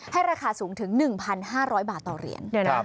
ราคาสูงถึง๑๕๐๐บาทต่อเหรียญ